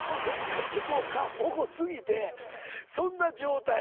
もう過保護すぎてそんな状態。